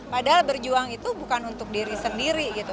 padahal berjuang itu bukan untuk diri sendiri gitu